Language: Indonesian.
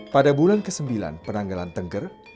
pada bulan ke sembilan penanggalan tengger